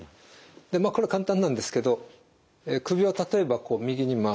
でまあこれ簡単なんですけど首を例えばこう右に回すと。